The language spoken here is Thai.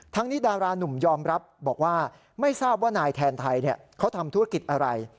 นี้ดารานุ่มยอมรับบอกว่าไม่ทราบว่านายแทนไทยเขาทำธุรกิจอะไร